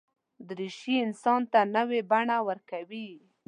دریشي انسان ته نوې بڼه ورکوي.